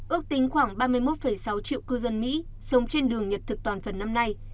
ước tính khoảng ba mươi một sáu triệu cư dân mỹ sống trên đường nhật thực toàn phần năm nay